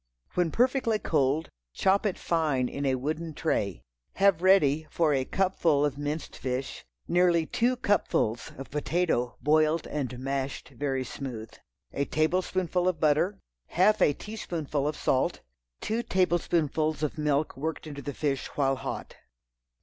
When perfectly cold chop it fine in a wooden tray. Have ready, for a cupful of minced fish, nearly two cupfuls of potato boiled and mashed very smooth. A tablespoonful of butter. Half a teaspoonful of salt. Two tablespoonfuls of milk worked into the fish while hot.